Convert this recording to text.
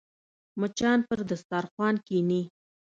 مچان پر دسترخوان کښېني